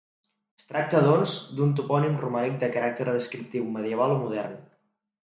Es tracta, doncs, d'un topònim romànic de caràcter descriptiu, medieval o modern.